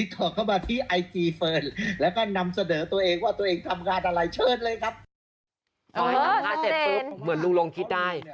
ตอนนี้ทำงานเสร็จปุ๊บเหมือนลุงรงคิดได้